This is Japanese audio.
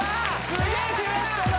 ・すげえデュエットだ！